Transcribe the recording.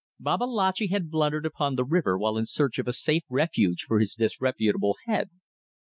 Babalatchi had blundered upon the river while in search of a safe refuge for his disreputable head.